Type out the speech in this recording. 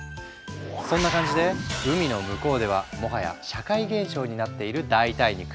そんな感じで海の向こうではもはや社会現象になっている代替肉。